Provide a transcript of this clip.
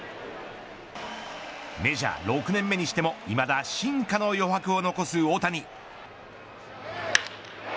メジャー６年目にしてもいまだ進化の余白を残す大谷。